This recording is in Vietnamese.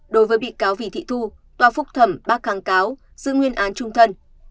đối với bị cáo vị thị thu tòa phục thẩm bác kháng cáo giữ nguyên án trung thân